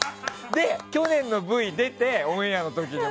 で、去年のＶ出てオンエアの時に。